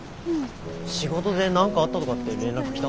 仕事で何かあったとかって連絡来た。